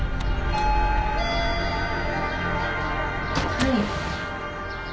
はい。